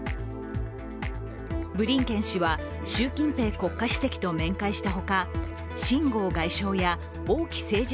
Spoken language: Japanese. ブリンケン氏は習近平国家主席と面会したほか秦剛外相や王毅政治